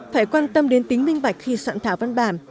phải quan tâm đến tính minh bạch khi soạn thảo văn bản